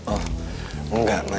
oh enggak ma